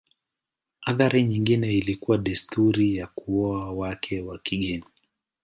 Athari nyingine ilikuwa desturi ya kuoa wake wa kigeni.